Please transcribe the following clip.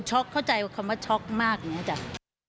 ช็อกเข้าใจว่าช็อกมากอย่างนี้อาจารย์